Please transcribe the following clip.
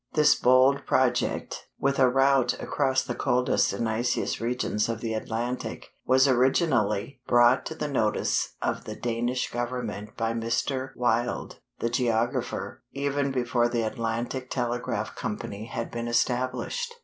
This bold project, with a route across the coldest and iciest regions of the Atlantic, was originally brought to the notice of the Danish Government by Mr. Wyld, the geographer, even before the Atlantic Telegraph Company had been established.